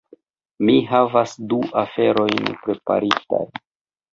mi havas du aferojn preparitaj